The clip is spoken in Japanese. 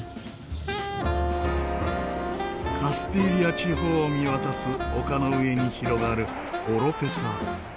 カスティーリャ地方を見渡す丘の上に広がるオロペサ。